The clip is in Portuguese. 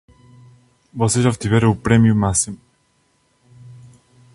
Vocês obtiveram o prêmio máximo.